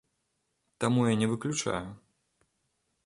Таму я не выключаю.